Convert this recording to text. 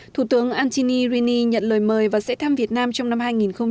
thủ tướng antti rini nhận lời mời và sẽ thăm việt nam trong năm hai nghìn hai mươi